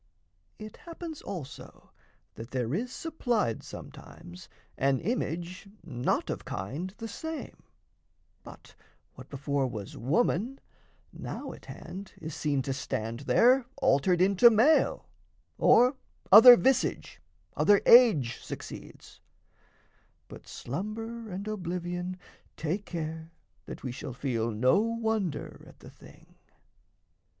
It happens also that there is supplied Sometimes an image not of kind the same; But what before was woman, now at hand Is seen to stand there, altered into male; Or other visage, other age succeeds; But slumber and oblivion take care That we shall feel no wonder at the thing.